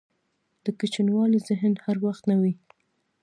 دکوچنیوالي ذهن هر وخت نه وي.